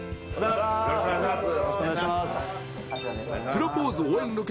よろしくお願いします